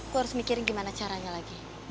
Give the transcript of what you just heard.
gue harus mikirin gimana caranya lagi